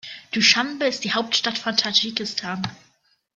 Duschanbe ist die Hauptstadt von Tadschikistan.